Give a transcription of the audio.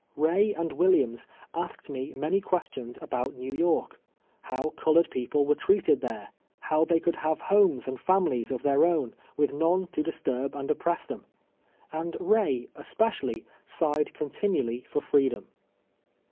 Ray and Yv^illiams asked me many rpiestions about ISTew York — how colored people were treated there ; how they could have homes and families of their own, with none "^T" to disturb and oppress them ; and Ray, especially, sighed continually for freedom.